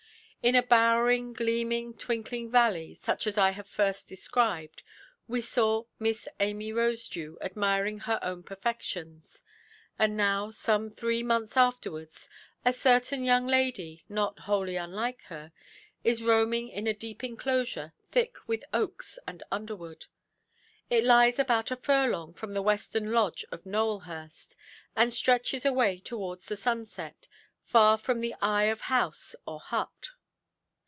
In a bowering, gleaming, twinkling valley, such as I have first described, we saw Miss Amy Rosedew admiring her own perfections; and now, some three months afterwards, a certain young lady, not wholly unlike her, is roaming in a deep enclosure, thick with oaks and underwood. It lies about a furlong from the western lodge of Nowelhurst, and stretches away towards the sunset, far from the eye of house or hut.